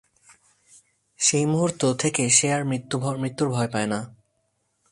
সেই মুহূর্ত থেকে সে আর মৃত্যুর ভয় পায় না।